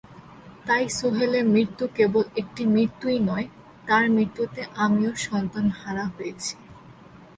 তাই সোহেলের মৃত্যু কেবল একটি মৃত্যুই নয়, তাঁর মৃত্যুতে আমিও সন্তানহারা হয়েছি।